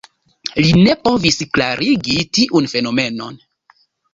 Li ne povis klarigi tiun fenomenon.